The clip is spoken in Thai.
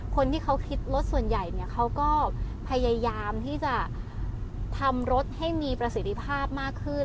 คนที่เขาคิดรถส่วนใหญ่เนี่ยเขาก็พยายามที่จะทำรถให้มีประสิทธิภาพมากขึ้น